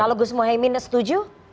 kalau gus muhyiddin setuju